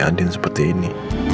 andin seperti ini